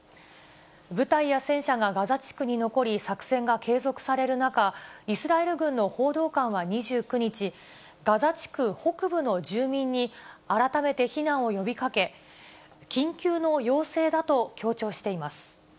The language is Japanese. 部隊や戦車がガザ地区に残り、作戦が継続される中、イスラエル軍の報道官は２９日、ガザ地区北部の住民に、改めて避難を呼びかけ、緊急の要請だと強調しています。